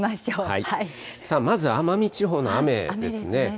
まず奄美地方の雨ですね。